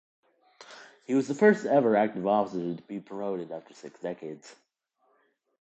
He was the first ever active officer to be promoted after six decades.